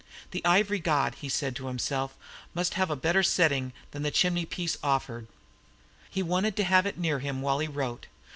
The ivory god, he said to himself, must have a better setting than the chimney piece offered. He wanted to have it near him while he wrote.